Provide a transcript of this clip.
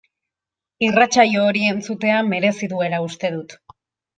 Irratsaio hori entzutea merezi duela uste dut.